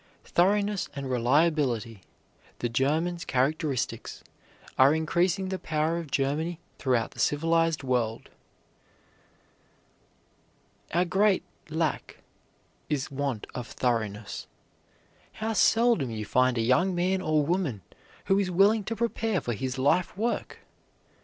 Thoroughness and reliability, the German's characteristics, are increasing the power of Germany throughout the civilized world. Our great lack is want of thoroughness. How seldom you find a young man or woman who is willing to prepare for his life work!